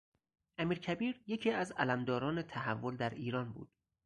امیرکبیر یکی از علمداران تحول در ایران بود.